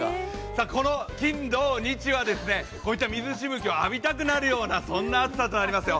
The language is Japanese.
この金土日はこういった水しぶきを浴びたくなるようなそんな暑さとなりますよ。